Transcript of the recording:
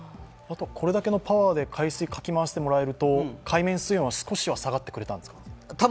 これだけのパワーで海水をかき回してもらえると海面水温は少しは下がってくれたんですか。